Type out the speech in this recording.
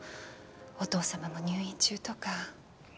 お父様も入院中とか